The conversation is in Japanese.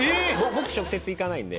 僕行かないんで。